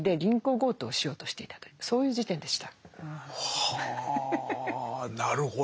はなるほど。